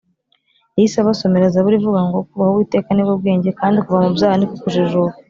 Yahise abasomera zaburi ivuga ngo kubaha uwiteka nibwo bwenge kandi kuva mubyaha niko kujijuka